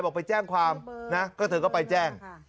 บอกไปแจ้งความนะก็เธอก็ไปแจ้ง